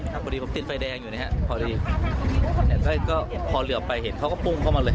พอดีผมติดไฟแดงอยู่นะฮะพอดีก็พอเหลือไปเห็นเขาก็ปุ้งเข้ามาเลย